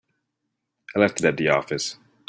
I left it at the office.